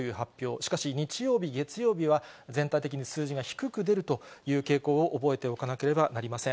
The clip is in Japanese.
しかし、日曜日、月曜日は、全体的に数字が低く出るという傾向を覚えておかなければなりません。